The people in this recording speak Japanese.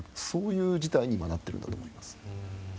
そういう事態に今、なっているんだと思います。